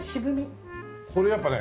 これやっぱね